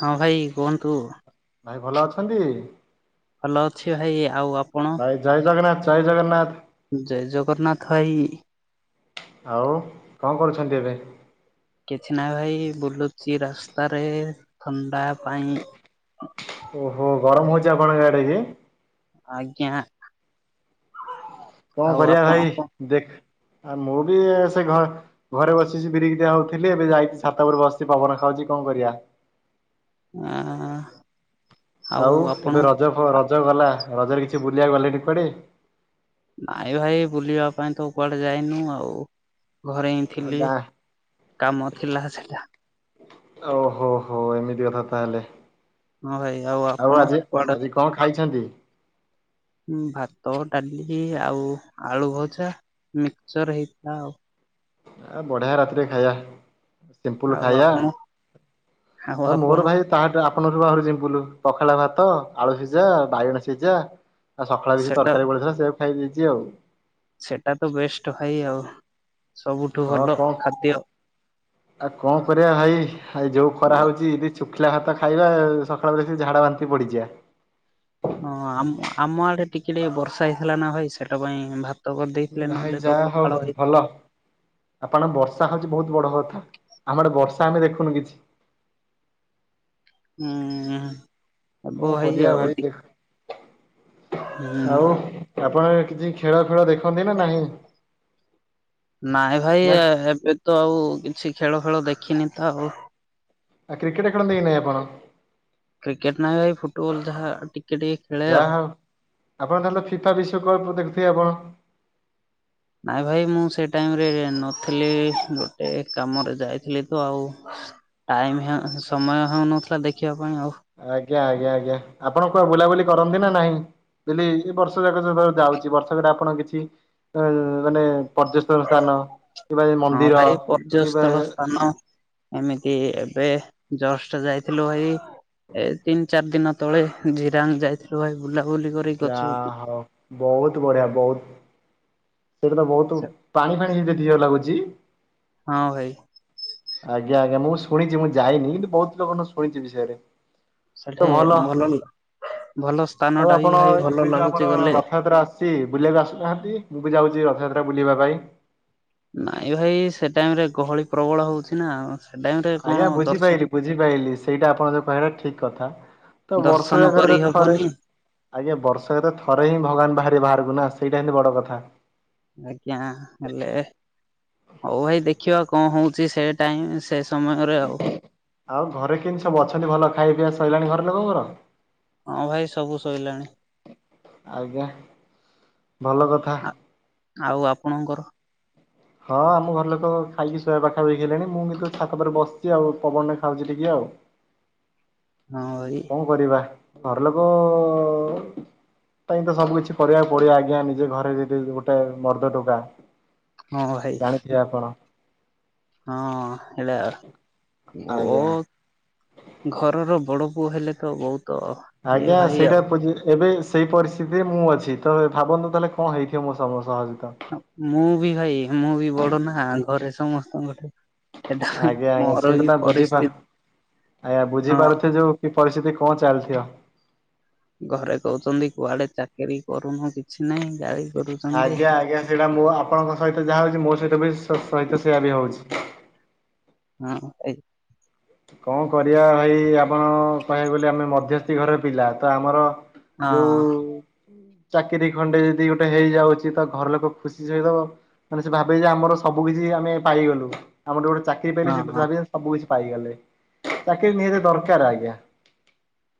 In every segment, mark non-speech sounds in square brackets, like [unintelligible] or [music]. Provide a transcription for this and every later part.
ହଁ ଭାଇ କୁହନ୍ତୁ। ଭାଇ ଭଲ ଅଛନ୍ତି। ଭଲ ଅଛି ଭାଇ ଆଉ ଆପ ଭାଇ ଜୟ ଜଗନ୍ନାଥ ଜୟ ଜଗନ୍ନାଥ। ଜୟ ଜଗନ୍ନାଥ ଭାଇ ଆଉ କଣ କରୁଛନ୍ତି ଏବେ? କିଛି ନା ଭାଇ ବୁଲୁଚି ରାସ୍ତାରେ ଥଣ୍ଡା ପାଇଁ। ଓହୋ। ଗରମ ହଉଚି ଆପଣଙ୍କ ଆଡେ କି? ଆଜ୍ଞା। କଣ ଆଉ କରିବା ଆପଣ ଭାଇ କ ଦେଖ ଆ ମୁଁ ବି ସେ ଘ ଘରେ ବସିଛି ବିରିିକି ଡିଆ ହଉଥିଲି, ଏବେ ଯାଇଛିି ଛାତ ଉପରେ ବସିଛି ପବନ ଖାଉଛି କଣ କରିଆ? ଆଁ ଆ ଆଉ ଏବେ ରଜ ପ ରଜ ଗଲା। ରଜରେ କିଛି ବୁଲିବାକୁ ଗଲେ କି କୁଆଡେ? ନାଇଁ ଭାଇ ବୁଲିବା ପାଇଁ ତ କୁଆଡେ ଯାଇନୁ ଆଉ? ଘରେ ହିଁ ଆଉ ଥିଲି, ଗାଁ କାମ ଥିଲା ସେଟା। ଓହୋ ହୋ ଏମିତି କଥା ତାହେଲେ। ହଁ ଭାଇ ଆଉ ଆପଣ ଆଜି, କୁଆଡେ ଆଜି କଣ ଖାଇଛନ୍ତି? ଭାତ, ଡାଲି ଆଉ ଆଳୁ ଭଜା, ମିକଚର ହେଇଥିଲା ଆଉ। ଆ ବଢିଆ ରାତିରେ ଖାଇବା। ସିମ୍ପୁଲ ଆଉ ଖାଇଆ, ଆପଣ ଆଉ ଆପଣ ମୋର ଭାଇ ତାଠୁ ଆପନରୁ ଆହୁ ସିମ୍ପୁଲୁ। ପଖାଳ ଭାତ, ଆଳୁ ସିଝା, ବାଇଗଣ ସିଝା ଆଉ ସଖାଳେ କିଛି ସେଟା ତରକାରୀ ବଳିଥିଲା ସେୟାକୁ ଖାଇ ଦେଇଛି ଆଉ। ସେଟା ତ ବେଷ୍ଟ ଭାଇ ଆଉ। ସବୁଠୁ ହଁ ଭଲ କଣ, ଖାଦ୍ୟ ଆଉ କଣ କରିବା ଭାଇ, ଏଇ ଯୋଉ ଖରା ହଉଛି ଇ ଶୁଖିଲା ଭାତ ଖାଇବା ସଖାଳ ଓଳିକି ସେ ଝାଡା ବାନ୍ତି ପଡିଯିବା। ହଁ ଆମ ଆମ ଆଡେ ଟିକେ ଟିକେ ବର୍ଷା ହେଇଥିଲା ନା ଭାଇ, ସେଟା ପାଇଁ ଭାତ କରିଦେଇଥିଲେ ଭାଇ ନହେଲେ ତ ଯାହା ହଉ ପଖାଳ ହେଇ ଭଲ। ଆପଣ ବର୍ଷା ହଉଛି ବହୁତ ବଡ କଥା। ଆମ ଆଡ଼େ ବର୍ଷା ଆମେ ଦେଖୁନୁ କିଛି। ହୁଁ। ହେବ ହଁ କରିଆ ଆଉ ଭାଇ ଦେଖ, ହୁଁ ଆଉ ଆପଣ ଆଡ଼େ କିଛି ଖେଳ ଫେଳ ଦେଖନ୍ତି ନା ନାହିଁ? ନାଇଁ ଭାଇ ନା ଏବେ ତ ଆଉ କିଛି ଖେଳ ଫେଳ ଦେଖିନି ତ ଆଉ ଆ କ୍ରିକେଟ୍ ଖେଳନ୍ତି କି ନାଇଁ ଆପଣ? ଟୋଲ ଯାହା ଟି ଯାହା ହଉ। ଆପଣ ତାହଲେ ଫିଫା ବିଶ୍ଵକପ ଦେଖୁଥିବେ ଆପଣ? ନାଇଁ ଭାଇ ମୁଁ ସେ ଟାଇମରେ ନଥିଲି ଗୋଟେ କାମରେ ଯାଇଥିଲି ତ ଆଉ ଟାଇମ ହଁ ସମୟ ହଉନଥିଲା ଦେଖିବାକୁ। ଆଜ୍ଞା ଆଜ୍ଞା ଆଜ୍ଞା। ଆପଣଙ୍କ ବୁଲାବୁଲି କରନ୍ତି ନା ନାହିଁ? ମୁଁ କହିଲି ଏଇ ଯେ ବର୍ଷ ଯାକ ଯେତେବେଳେ ଯାଉଛି ବର୍ଷକରେ ଆପଣ କିଛି ଅ ମାନେ ପର୍ଯ୍ୟଟନ ସ୍ଥାନ ହଁ। ହଁ ଭାଇ ପର୍ଯ୍ୟସ୍ଥଳ ସ୍ଥାନ ଏମିତି ଏବେ ଜଷ୍ଟ ଯାଇଥିଲୁ ଭାଇ ଏ ତିନି ଚାରି ଦିନ ତଳେ ଜିରାଙ୍ଗ ଯାଇଥିଲୁ ଭାଇ ବୁଲା ଯା ହଉ ବହୁତ ବଢିଆ ବହୁତ ସେଦିନ ବହୁତୁ ପାଣି ଫାଣି ହେଇଯାଇଥିବ ଲାଗୁଚି? ହଁ ଭାଇ। ଆଜ୍ଞା ଆଜ୍ଞା। ମୁଁ ଶୁଣିଚି ମୁଁ ଯାଇନି କିନ୍ତୁ ବହୁତ ଲୋକଙ୍କ ଠୁ ଶୁଣିଚି ବିଷୟରେ ତ ସେଠି ଭଲ ମଲଲ ଆଉ ଆପଣ ଏବେ ଯୋଉ ଲାଗୁଛି ଆମର ଗଲେ ରଥଯାତ୍ରା ଆସୁଚି ବୁଲିବାକୁ ଆସୁନାହାଁନ୍ତି? ମୁଁ ବି ଯାଉଛି ରଥଯାତ୍ରା ବୁଲିବା ପାଇଁ। ନାଇଁ ଭାଇ ସେ ଟାଇମ ରେ ଗହଳି ପ୍ରବଳ ହଉଛି ନା ସେ ଟାଇମ ରେ କଣ ଆଜ୍ଞା। ଦର୍ଶ ବୁଝିପାଇଲିି ବୁଝିପାଇଲି। ସେଇଟା ଆପଣ ଯୋଉ କହିବାଟା ଠିକ କଥା। ତ ବର୍ଷ ଦର୍ଶନ ଯାକରେ ତ ଥରେ କରିହବନି ଆଜ୍ଞା। ବର୍ଷ ଯାକରେ ଥରେ ହିଁ ଭଗବାନ ବାହାରିବେ ବାହାରକୁ ନା ଆସ ସେଇଟା ହେଲେ ବଡ କଥା। ଆଜ୍ଞା। ହେଲେ ହଉ ଭାଇ ଦେଖିବା କଣ ହଉଁଛି ସେ ଟାଇମ ସେ ସ ଆଉ ଘରେ କେମିତି ସବୁ ଅଛନ୍ତି, ଭଲ ଖାଇ ପିଇବା ସରିଲାଣି ଘରେ ଲୋକଙ୍କର? ହଁ ଭାଇ, ସବୁ ଶୋଇଲେଣି। ଆଜ୍ଞା, ଭଲ କଥା ଆଉ, ଆପଣଙ୍କର? ହଁ ଆମ ଘର ଲୋକ ଖାଇକି ଶୋଇବା ପାଖାପଖି ହେଲେଣି, ମୁଁ କିନ୍ତୁ ଛାତ ପରେ ବସିଛି ଆଉ ପବନ ଖାଉଛି ଟିକେ ଆଉ [inaudible] ହଁ ଭାଇ କଣ କରିବା, ଘର ଲୋକ କାଇଁ ତ ସବୁ କିିଛି କରିବାକୁ ପଡିବ, ଆଜ୍ଞା, ନିଜେ ଘରେ ଯିଦି ଗୋଟେ ମର୍ଦ ଟୋକା ହଁ ଭାଇ ଜାଣିଥିବେ ଆପଣ ହଁ ହେଇଟା, ଆଜ୍ଞା। ଘରର ବଡ ସବୁ ହେଲେ ତ ବହୁତ ଇଏ ଆଜ୍ଞା, ଭାଇ ସେଇଟା ଆଉ। ପ ଏବେ ସେହି ପରିସ୍ଥିତିରେ ମୁଁ ଅଛି, ତ ଭାବନ୍ତୁ ତାହାନେ କଣ ହୋଇଥିବା ମୋ ସମସ୍ତ ସହ ସହିତ। ମୁଁ ବି ଭାଇ, ମୁଁ ବି ବଡ ନା ଘରେ ସମସ୍ତଙ୍କଠେ ଆଜ୍ଞା, ଆଜ୍ଞା ସେଇଟା ତା ବୁଝି ଆଜ୍ଞା ହଁ ବୁଝିପାରୁଥେ ଯୋଉ କି ପରିସ୍ଥିତି କଞ୍ଚ ଆଇଲ ଆ [unintelligible] ଘରେ କହୁଛନ୍ତି କୁଆଡେ ଚାକିରିୀ କରୁନୁ କିଛି ନାହିଁ, ଗାଈ ଆଜ୍ଞା, ଆଜ୍ଞା, ସେଇଟା ମୁଁ ଆପଣଙ୍କ ସହିତ ଯାହା ହଉଛି ମୋ ସହିତ ବି ସହିତ ସେଆ ବି ହେଉଛି। ହଁ ଏଇ କଣ କରିବା ଭାଇ, ଆପଣ କହିବାକୁ ଗଲେ ଆମେ ମଧ୍ୟସ୍ଥି ଘରେ ପିଲା, ତ ଆମର ହଁ ଚାକିରିଖଣ୍ଡେ ଯଦି ଗୋଟେ ହେଇଯାଉଛି, ତ ଘର ଲୋକ ଖୁସି ମାନେ, ସେ ଭାବେ ଯେ ଆମର ସବୁ କିଛି ଆମେ ପାଇଗଲୁ, ଆମର ଗୋଟେ ଚାକିରି ହଁ ପାଇଲେ ଭ ହଁ ସବୁ କିଛି ପାଇଗଲେ, ଚାକିରି ନିହାତି ଦରକାର, ଆଜ୍ଞା।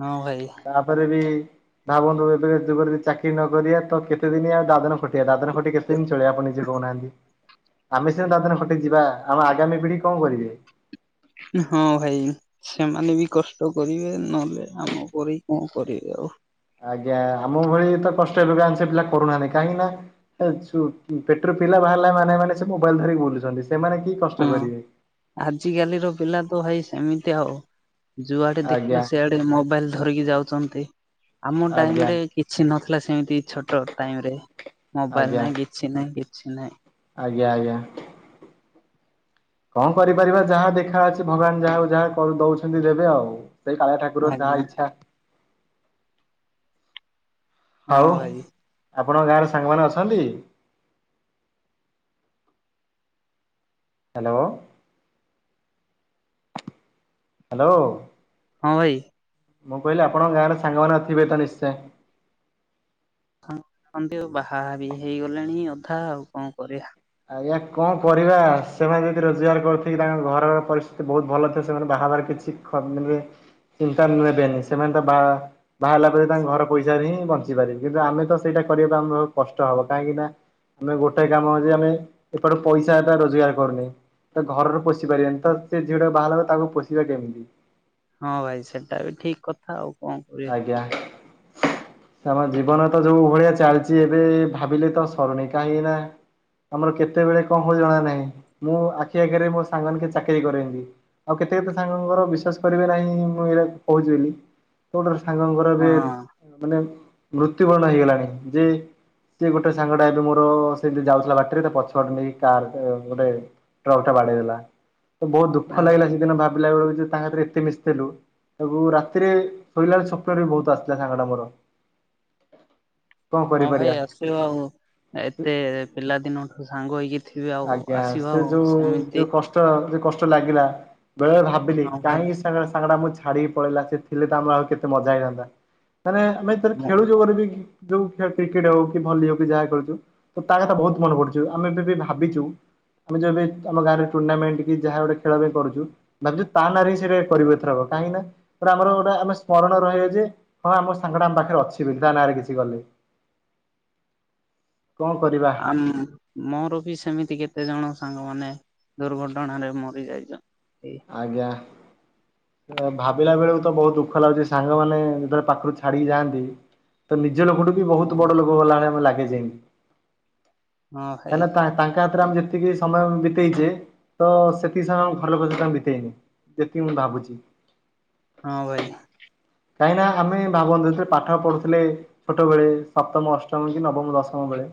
ହଁ ଭାଇ ତାପରେ ବି ଧ ବନ୍ଧୁ ଏବେ ଯୁଗ ଯ ଚାକିରି ନକରିବା, ତ କେତେ ଦିନି ଆଉ ଦାଦନ ଖଟଆ, ଦାଦନ ହୋ ଟିକେ କେତେ [unintelligible] ଦିନ ଚଳେ ଆପଣ ନିଜେ କହୁନାହାନ୍ତି। ଆମେ ସିନା ତାଦିନ ଖଟି ଯିବା, ଆମ ଆଗାମି ପିଢି କଣ କରିବେ? ହଁ ଭାଇ, ସେମାନେ ବି କଷ୍ଟ କରିବେ, ନହେଲେ ଆମ ପରି କଣ କରିବେ ଆଉ ଆଜ୍ଞା, ଆମ ଭଳି ତ କଷ୍ଟ ହେ [unintelligible] ଲ ସେ ପିଲା କରୁନାହାନ୍ତି କାହିଁକି ନା? ପେଟରେ ପିଲା ବାହାରିଲା ମାନେ, ମାନେ, ସେ ମୋବାଇଲ ଧରିକି ବୁଲୁଛନ୍ତି। ସେମାନେ କି କଷ୍ଟ ହଁ, କରିବେ। ଆଜିକାଲିର ପିଲା ତ ଭାଇ ସେମିତି ଆଉ ଯୁଆଡେ ଆଜ୍ଞା ଦେଖିଲ, ସେଆଡେ ମୋବାଇଲ ଧରିକି ଯାଉଛନ୍ତି। ଆମ ଆଜ୍ଞା ଟାଇମ ରେ କିଛି ନଥିଲା ସେ ସେମିତି ଛୋଟ ଟାଇମ ରେ ମୋବାଇଲ ଆଜ୍ଞା ନାହିଁ, କିଛି ନାହିଁ, କିଛି ନାହିଁ। ଆଜ୍ଞା, ଆଜ୍ଞା। କଣ କରିପାରିବା, ଯାହା ଦେଖା ଅଛି ଭଗବାନ ଯାହାକୁ ଯାହା ଦଉଛନ୍ତି ଦେବେ ଆଉ ସେଇ କାଳିଆ ଠାକୁର, ଆଜ୍ଞା ଯାହା ଇଚ୍ଛା ହଁ ଆଉ ଭାଇ ଆପଣଙ୍କ ଗାଁରେ ସାଙ୍ଗମାନେ ଅଛନ୍ତି? ହାଲୋ ହାଲୋ ହଁ ଭାଇ ମୁଁ କହିଲି ଆପଣଙ୍କ ଗାଁରେ ସାଙ୍ଗମାନେ ଥିବେ ତ ନିଶ୍ଚୟ। ବାହା ବି ହେଇଗଲେଣି ଅଧା, ଆଉ କଣ କରିବା? ଆଜ୍ଞା କଣ କରିବା, ସେମାନେ ଯଦି ରୋଜଗାର କରୁଥ କି ତାଙ୍କ ଘର ପରିସ୍ଥିତି ବହୁତ ଭଲ, ସେମାନେ ବାହା ବାହାର କରି ଠିକ୍ଠ ମାନରେ [unintelligible] ଚିନ୍ତା ନେବେନି, ସେମାନେ ତ ବା ବାହାରିଲା ପରେ ତାଙ୍କ ଘର ପଇସାରେ ହିଁ ବଞ୍ଚିପାରେ କିନ୍ତୁ ଆମେ ତ ସେଇଟା କରିବା ଆମର କଷ୍ଟ ହବ କାହିଁକି ନା ଆମେ ଗୋଟେ କାମ ହଉଛି ଆମେ ଏପଟୁ ପଇସା ଟା ରୋଜଗାର କରୁନି। ତା ଘରରୁ ପୋଷି ପାରିବାନି ତ ସେ ଝିଅଟାକୁ ବାହାଲା ତାକୁ ପୋଷିବା କେମିତି। ହଁ ଭାଇ ସେଟା ବି ଠିକ୍ କଥା ଆଉ। କଣ କରିବା ଆଜ୍ଞା। ଆମ ଜୀବନ ତ ଯୋଉ ଭଳିଆ ଚାଲିଚି ଏବେ ଭାବିଲେ ତ ସରୁନି କାହିଁ ନା ଆମର କେତେବେଳେ କଣ ହଉଚି ଜଣା ନାହିଁ ମୁଁ ଆଖି ଆଗେରେ ମୋ ସାଙ୍ଗ କି ଚାକିରି କରେନ୍ତି। ଆଉ କେତେ କେତେ ସାଙ୍ଗଙ୍କର ବିଶ୍ଵାସ କରିବେ ନାହିିଁ ମୁଁ ଏଇଟା କହୁଚି ବୋଲି। କଉଟ୍ରୁ ସାଙ୍ଗଙ୍କର ବି ହଁ ମାନେ ମୃତ୍ୟୁବରଣ ହେଇଗଲାଣି ଯେ ସିଏ ଗୋଟେ ସାଙ୍ଗଟା ଏବେ ମୋର ସେ ଯାଉଥିଲା ବାଟରେ ତା ପଛ ଆଡୁ ନେଇ କାର ଅ ଗୋଟେ ଟ୍ରକ୍ ଟା ବାଡେଇହେଲା। ବହୁତ ଦୁଃଖ ଲାଗିଲା ସେଦିନ ଭାବିଲା ବେଳକୁ ଯେ ତାସାଥିରେ ଏତେ ମିଶିଥିଲୁ ତାକୁ ରାତିରେ ଫୁବି ଆଉ ସକାଳୁ ବି ବହୁତ୍ ଆସିଥିଲା ସାଙ୍ଗଟା ମର। ହଁ ଭାଇ ଆସିବ ଆଉ ଏତେ ପିଲାଦିନଠୁ ସାଙ୍ଗ ହେଇକି ଥିବେ ଆଉ ଆଜ୍ଞା ଆସିବ ସେ ଆଉ ଯୋଉ ସେମିତି ଯୋଉ କଷ୍ଟ ଯଉ କସ ଲାଗିଲା ବେଳେବେଳେ ଭାବିଲି ହଁ ଭାଇ କାହିଁକି ସା ସାଙ୍ଗଟା ମୋ ଛାଡିକି ପଳେଇଲା ସେ ଥିଲେ ତ ଆମର ଆଉ କେତେ ମଜା ହେଇଥାନ୍ତା ମାନେ ଆମେ ତାନେ ମୁଁ ଖେଳୁ ଜଉ ମାନେବି ବି ଯୋଉ ଖେ କ୍ରିକେଟ୍ ହଉ କି ଭଲି ହଉ କି ଯାହା ଖେଳଛୁ ତ ତା କଥା ବହୁତ୍ ମନେ ପଡ଼ୁଚି ଆମେ ବିଭା ଭାବିଚୁ। ଆମେ ଯେବେ ଆମ ଗାଁରେ ଟୁର୍ଣ୍ଣାମେଣ୍ଟ କି ଯାହା ଗୋଟେ ଖେଳ ବି କରୁଛୁ ଭାବୁଛୁ ତା ନାଁରେ ହିଁ ସେଇରା କରିବୁ ଏଥର କାହିଁକି ନା ଆମର ଗୋଟେ ଆମେ ସ୍ମରଣ ରହିବେ ଯେ ହଁ ଆମ ସାଙ୍ଗଟା ଆମ ପାଖରେ ଅଛି ବୋଲି ତା ନାଁରେ କିଛି ଗଲେ। କରିବା ଆ ମୋର ବି ସେମିତି କେତେ ଜଣ ସାଙ୍ଗମାନେ ଦୁର୍ଘଟଣାରେ ମରି ଯାଇଛନ୍ତି। ଆଜ୍ଞା। ଭାବିଲା ବେଳକୁ ତ ବହୁତ ଦୁଃଖ ଲାଗୁଛି ସାଙ୍ଗମାନେ ଯେତେବେଳେ ପାଖରୁ ଛାଡିକି ଯାଆନ୍ତି ତ ନି ନିଜ ଲୋକଠୁ ବି ହଁ ବହୁତ ହଁ ବଡ ଲୋକ ଗଲାବେଳିଆ ଲାଗେ ସେମିତି ଭାଇ କାହିଁକିନା ତାଙ୍କ ଆମେ ଯେତିକି ସମୟ ବିତେଇଛେ ତ ସେତିକି ସମୟ ଘର ଆମ ଘର ଲୋକଙ୍କ ସହିତ ଆମେ ବି ତେଇନି ଯେତିକି ମୁଁ ଭାବୁଛି। ହଁ ଭାଇ କାହିଁକି ନା ଆମେ ଭାବନ୍ତୁ ଯେଥିରେ ପାଠ ପଢୁଥିଲେ ଛୋଟ ବେଳେ ସପ୍ତମ ଅଷ୍ଟମ କି ନବମ ଦଶମ ବେଳେ।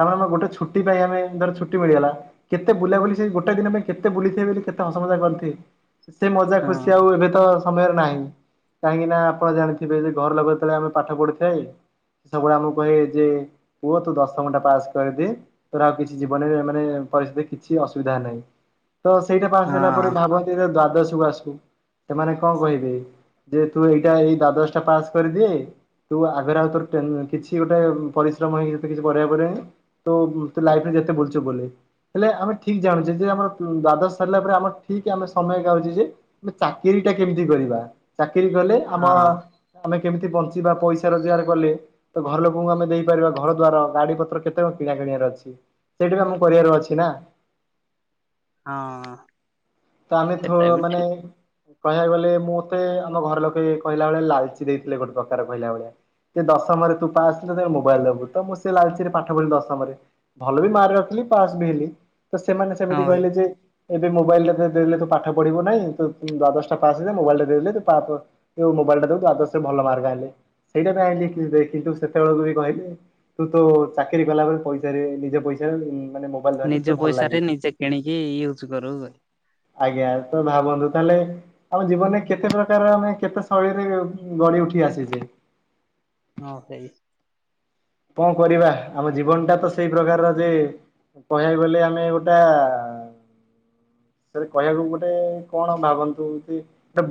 ତା ଆମେ ଗୋଟେ ଛୁଟି ପାଇଁ ଆମେ ଧର ଛୁଟି ମିଳିଗଲା କେତେ ବୁଲା ବୁଲି ସେ ଗୋଟେ ଦିନ ପାଇଁ କେତେ ବୁଲିଥିବେ ବୋଲି କେତେ ହସ ମଜା କରିଥିଲେ ସେ ମଜା ଖୁସି ହଁ ଆଉ ଏବେ ତ ସମୟରେ ନାହିଁ। କାହିଁକି ନା ଆପଣ ଜାଣିଥିବେ ଯେ ଘର ଲୋକ ଯେତେବେଳେ ଆମେ ପାଠ ପଢ଼ିଥାଏ। ସେ ସବୁବେଳେ ଆମକୁ କହେ ଯେ ପୁଅ ତୁ ଦଶମ ଟା ପାସ୍ କରିଦେ ତୋର ଆଉ କିଛି ଜୀବନରେ ମାନେ ପରିସ୍ଥିରେ କିଛି ଅସୁବିଧା ନାହିଁ। ତ ସେଇଟା ପାସ୍ ହେଲା ପରେ ହଁ ଭାବନ୍ତି ଯେ ଦ୍ଵାଦଶକୁ ଆସିବୁ ସେମାନେ କଣ କହିବେ? ଯେହେ ତୁ ଏଇଟା ଏଇ ଦ୍ଵାଦଶ ଟା ପାସ କରିଦେ ତୁ ଆଗରେ ଆଉ ତୋର କିଛି ଗୋଟେ ପରିଶ୍ରମ ତମ ପାଇଁ ଏତେ କିଛି କରିବାକୁ ପଡ଼ିବନି କିନ୍ତୁ ତୋ ଲାଇଫ ଯେତେ ବୁଲୁଛୁ ବୁଲ ଏ ହେଲେ ଆମେ ଠିକ ଜାଣୁଛେ ଯେ ଦ୍ଵାଦଶ ସରିଲା ପରେ ଆମର ଠିକ ଆମେ ସମୟ ଗାଉଛେ ଯେ ଆମେ ଚାକିରି ଟା କେମିତି କରିବା? ରି ଗଲେ ଆମ ହଁ ଆମେ କେମିତି ବଞ୍ଚିବା ପଇସା ରୋଜଗାର କଲେ ତ ଘର ଲୋକଙ୍କୁ ଆମେ ଦେଇପାରିବା ଘର ଦ୍ଵାର ଗାଡି ପତ୍ର କେତେ କିଣା କିଣି ବାର ଅଛି ସେଇଟା ବି ଆମର କରିବାର ଅଛି ନା। ହଁ। ତ ଆମେ ଥ ସେଟା ବି ମାନେ ଠିକ କହିବାକୁ ଗଲେ ମୁଁ ମତେ ଆମ ଘର ଲୋକେ କହିଲା ଭଳିଆ ଲାଲଚି ଦେଇଥିଲେ ଗୋଟେ ପ୍ରକାର କହିଲା ଭଳିଆ। ସେ ଦଶମରେ ତୁ ପାସ୍ କଲେ ତ ମୋବାଇଲ ଦବୁ ତ ମୁଁ ସେ ଲାଚରେ ପାଠ ପଢିଲି ଦଶମରେ ଭଲ ବି ମାର୍କ ରଖିଲି। ପାସ୍ ବି ହେଲି ତ ସେମାନେ ହଁ ସେମିତି ଭାଇ କହିଲେ ଯେ ଏବେ ମୋବାଇଲରେ ଦେଲେ ତ ପାଠ ପଢିବୁ ନାହିଁ ତ ଦ୍ବାଦଶ ପାସ୍ ହେଇଯା ମୋବାଇଲ ମୋବାଇଲ ଟେ ଦେବୁ ଦ୍ବାଦଶ ରେ ଭଲ ମାର୍ଗ ଆଣିଲେ। ସେଇଟା ବି ଆ ଲେଖ କିନ୍ତୁ ସେତେବେଳକୁ ବି କହିଲେ ତୁ ତ ଚାକିରି କଲାବେଳେ ପଇସାରେ ନିଜେ ପଇସା [unintelligible] ନିଜ ପଇସାରେ ନିଜେ କିଣିକି ୟୁଜ କରୁ। ଆଜ୍ଞା, ତ ଭାବନ୍ତୁ ତାହେଲେ ଆମ ଜୀବନରେ କେତେ ପ୍ରକାର, ମାନେ କେତେ ଶୈଳୀରେ ଗଡି ଉଠି ଆସିଛେ। ହଁ ସେଇ କଣ କରିବା? ଆମ ଜୀବନ ଟା ତ ସେଇ ପ୍ରକାରର ଯେ କହିବାକୁ ଗଲେ ଆମେ ଗୋଟା ସେଟ କହିବାକୁ ଗୋଟେ କଣ ଭାବନ୍ତୁ, ଗୋଟେ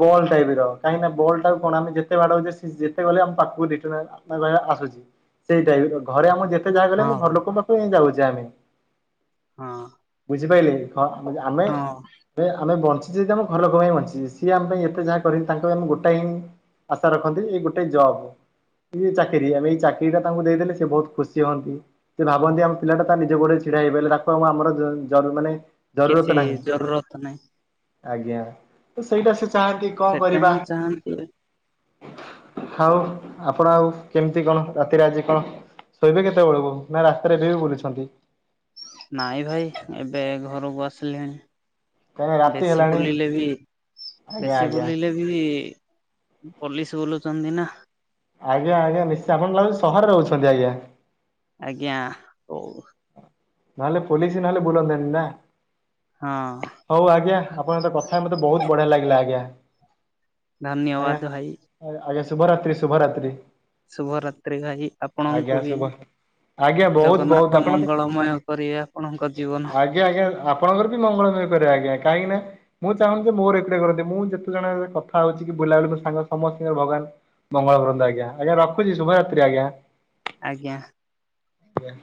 ବଲ୍ ଟାଇପ ର କାହିଁକି ନା ବଲ୍ ଟାକୁ କଣ ଆମେ ଯେତେ ବା ଯେତେ ଗଲେ ଆମ ପାଖକୁ ଆସୁଛି। ସେଇଟାଇପ ଘରେ ଆମ ଯେତେ ଯାହା ହଁ ଗଲେମ ଘର ଭାଇ ଲୋକଙ୍କ ପାଖକୁ ଯାଉଛେ ଆମେ ହଁ ବୁଝିପାରିଲେ, ଆମେ ହଁ ଆମେ ବଞ୍ଚ ଯଦି ଆମ ଘ ଲୋକ ପାଇଁ ବଞ୍ଚିଛେ, ସିଏ ଆମ ପାଇଁ ଏତେ ଯାହା କରିବ ତାଙ୍କ ଆମେ ଗୋଟା ହିଁ ଆଶା ରଖନ୍ତି, ଏଇ ଗୋଟେ ଜବ୍ ଇ ଚାକିରିୀ ଆମେ ଏଇ ଚାକିରି ସେଇଟା ତାଙ୍କୁ ଦେଇଦେଲେ, ସେ ବହୁତ ଖୁସି ହୁଅନ୍ତି ସେ ଭାବନ୍ତି ଆମ ପିଲାଟା ତା ନିଜ ଗୋଡେ ଛିଡା ହେଇବ ତାକୁ ଆ ଆମର ଯ ମାନେ [unintelligible] କିଛି ନାହିଁ ଜରୁୁରତ ନାହିଁ। ଆଜ୍ଞା, ତ ସେଇଟା ସେ ଚାହାନ୍ତି କଣ ସେଟା କରିବା? ହିଁ ଚାହାନ୍ତି ଆଉ ଆପଣ ଆଉ କେମିତି କଣ? ରାତିରେ ଆଜି କଣ ଶୋଇବେ କେତେବେଳକୁ ନା ରାସ୍ତାରେ ଏବେ ବି ବୁଲଛନ୍ତି? ନାଇଁ ଭାଇ, ଏବେ ଘରକୁ ଆସିଲି କାହିଁକି ହ ରାତି ବେଶୀ ହେଲାଣି ବୁଲିଲେ ବି, ଆଜ୍ଞା ବେଶୀ ଆଜ୍ଞା। ବୁଲିଲେ ବି ପୋଲିସ ବୁଲୁଛନ୍ତି ନା ଆଜ୍ଞା, ଆଜ୍ଞା, ନିଶ୍ଚୟ ଆପଣ ଲାଗୁଛି ସହରରେ ରହୁଛନ୍ତି, ଆଜ୍ଞା ଆଜ୍ଞା, ହଉ ନହେଲେ ପୋଲିସ ନହେଲେ ବୁଲନ୍ତେନି ନା, ହଁ ହଉ ଆଜ୍ଞା, ଆପଣ ତ କଥା ବହୁତ ବଢିଆ ଲାଗିଲା, ଆଜ୍ଞା। ଆଜ୍ଞା। ଧନ୍ୟବାଦ ଭାଇ। ଆଜ୍ଞା ଶୁଭରାତ୍ରି, ଶୁଭରାତ୍ରି ଶୁଭରାତ୍ରି ଭାଇ ଆପଣଙ୍କୁ ଆଜ୍ଞା, ବି। ସବୁ ଆଜ୍ଞା, ବହୁତ ଜଗନ୍ନାଥ ବହୁତ ଆପଣ ମଙ୍ଗଳମୟ କରିବେ ଆପଣଙ୍କ ଜୀବନ। ଆଜ୍ଞା, ଆଜ୍ଞା, ଆପଣଙ୍କର ବି ମଙ୍ଗଳମୟହେଇପାରିବ ଆଜ୍ଞା, କାହିଁକି ନା? ମୁଁ ଚାହୁଁନ ଯେ -ମୋର ଏକୁଟେ କରନ୍ତି ମୁଁ ଯେତେ ଜଣ କଥା ହଉଛି କି ବୁଲାବୁଲି ମୋ ସାଙ୍ଗ ସମସ୍ତଙ୍କର ଭଗବାନ ମଙ୍ଗଳ କରନ୍ତୁ, ଆଜ୍ଞା, ଆଜ୍ଞା ରଖୁଛି ଶୁଭରାତ୍ରି, ଆଜ୍ଞା ଆଜ୍ଞା। ଆଜ୍ଞା।